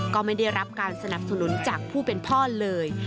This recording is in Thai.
ก็ไม่ได้รับการสนับสนุนจากผู้เป็นพ่อเลย